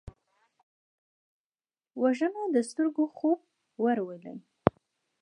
وژنه د سترګو خوب ورولي